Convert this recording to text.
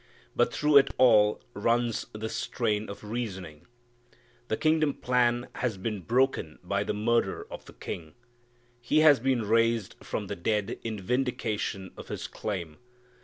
But through it all runs this strain of reasoning: the kingdom plan has been broken by the murder of the King. He has been raised from the dead in vindication of His claim.